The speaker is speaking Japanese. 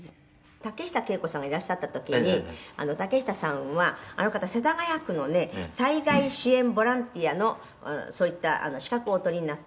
「竹下景子さんがいらっしゃった時に竹下さんはあの方世田谷区のね災害支援ボランティアのそういった資格をお取りになって」